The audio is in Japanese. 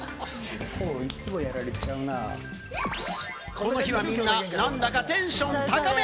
この日はみんな、なんだかテンション高め。